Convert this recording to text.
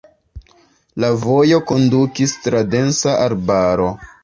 La vojo kondukis tra densa arbaro.